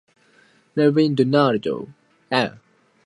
The principal tenor for this tour was Robin Donald.